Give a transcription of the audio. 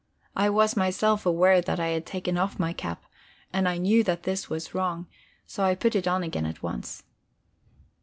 I was myself aware that I had taken off my cap, and I knew that this was wrong, so I put it on again at once.